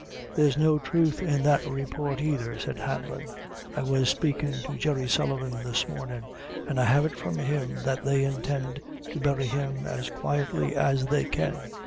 "There's no truth in that report either," said Hanlon. "I was speakin' to Jerry Sullivan this mornin', an' I have it from him that they intend to bury him as quietly as they can.